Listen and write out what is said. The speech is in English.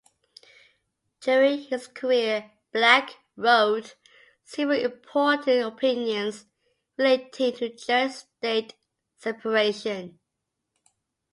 During his career Black wrote several important opinions relating to church-state separation.